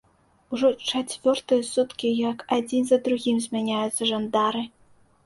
Ужо чацвёртыя суткі, як адзін за другім змяняюцца жандары.